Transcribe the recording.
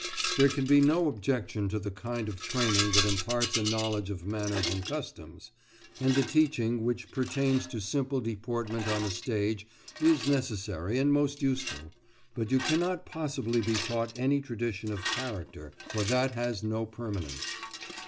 There can be no objection to the kind of training that imparts a knowledge of manners and customs, and the teaching which pertains to simple deportment on the stage is necessary and most useful; but you cannot possibly be taught any tradition of character, for that has no permanence.